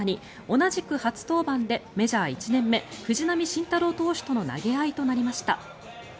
同じく初登板でメジャー１年目藤浪晋太郎投手との投げ合いとなりました。